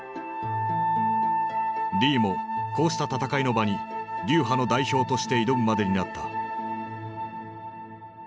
リーもこうした戦いの場に流派の代表として挑むまでになった。